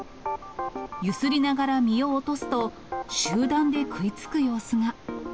揺すりながら実を落とすと、集団で食いつく様子が。